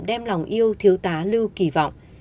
đem lòng yêu thiếu tá lưu kỳ vọng